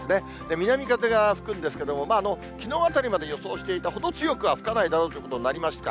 南風が吹くんですけども、きのうあたりまで予想していたほど強くは吹かないだろうということになりました。